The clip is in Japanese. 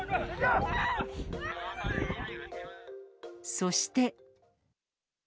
そして。